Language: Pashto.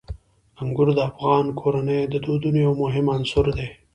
انګور د افغان کورنیو د دودونو یو مهم عنصر دی.